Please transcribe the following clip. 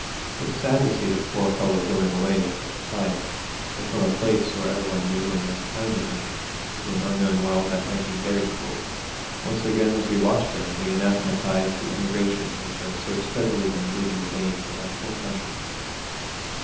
It was sad to see the poor fellow going away at such a time, and from a place where every one knew and was kind to him, to an unknown world that might be very cruel. Once again as we watched him we anathematised the emigration which has so steadily been bleeding the veins of our poor country.